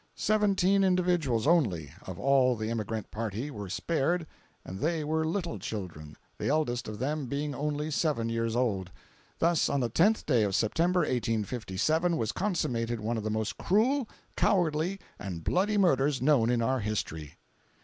Seventeen individuals only, of all the emigrant party, were spared, and they were little children, the eldest of them being only seven years old. Thus, on the 10th day of September, 1857, was consummated one of the most cruel, cowardly and bloody murders known in our history."